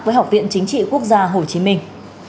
với học viện chính trị quốc gia hồ chí minh